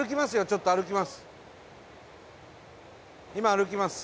ちょっと歩きます。